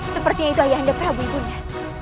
sepertinya itu ayah anda prabu ibunda